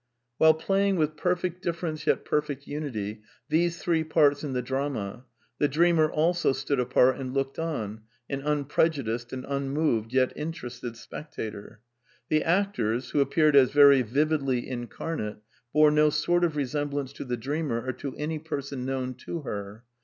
While playing, with perfect difference yet perfect unity, these three parts in the drama, the dreamer also stood apart and looked on, an unprejudiced and unmoved yet interested spectator. The actors, who appeared as very vividly in carnate, bore no sort of resemblance to the dreamer or to any person known to her.